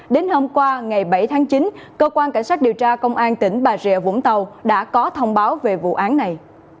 đến hôm qua ngày bảy tháng chín cơ quan cảnh sát điều tra công an tỉnh bà rịa vũng tàu đã có thông báo về vụ án này